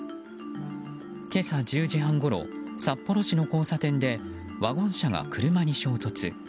今朝１０時半ごろ札幌市の交差点でワゴン車が車に衝突。